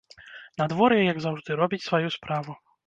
Надвор'е, як заўжды, робіць сваю справу.